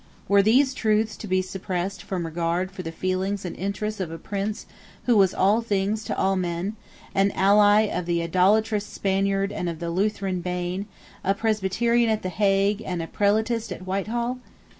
Were these truths to be suppressed from regard for the feelings and interests of a prince who was all things to all men, an ally of the idolatrous Spaniard and of the Lutheran bane, a presbyterian at the Hague and a prelatist at Whiteball?